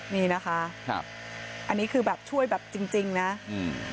นี่นะคะครับอันนี้คือแบบช่วยแบบจริงจริงนะอืม